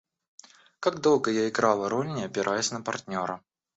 Как долго я играла роль, Не опираясь на партнера.